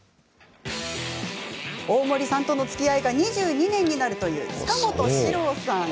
大森さんとのつきあいが２２年になるという塚本史朗さん。